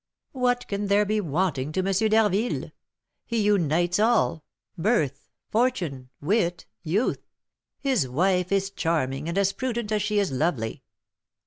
"What can there be wanting to M. d'Harville? He unites all, birth, fortune, wit, youth; his wife is charming, and as prudent as she is lovely."